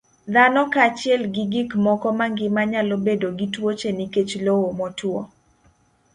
Dhano kaachiel gi gik moko mangima nyalo bedo gi tuoche nikech lowo motwo.